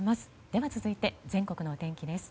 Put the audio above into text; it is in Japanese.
では続いて、全国のお天気です。